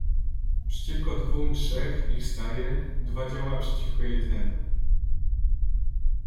"Przeciwko dwóm trzech ich staje, dwa działa przeciwko jednemu."